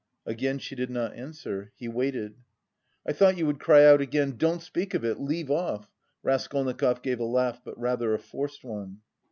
Again she did not answer. He waited. "I thought you would cry out again 'don't speak of it, leave off.'" Raskolnikov gave a laugh, but rather a forced one.